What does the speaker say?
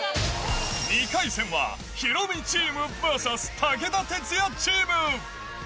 ２回戦はヒロミチームＶＳ武田鉄矢チーム。